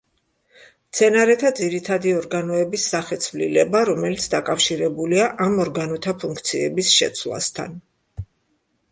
მცენარეთა ძირითადი ორგანოების სახეცვლილება, რომელიც დაკავშირებულია ამ ორგანოთა ფუნქციების შეცვლასთან.